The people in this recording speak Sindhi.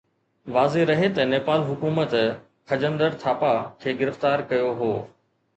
واضح رهي ته نيپال حڪومت خجندر ٿاپا کي گرفتار ڪيو هو